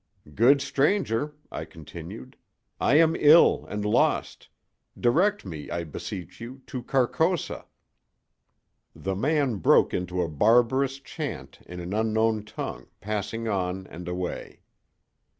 "Good stranger," I continued, "I am ill and lost. Direct me, I beseech you, to Carcosa." The man broke into a barbarous chant in an unknown tongue, passing on and away.